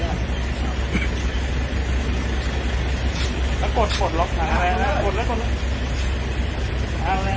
อ๋อต้องกลับมาก่อน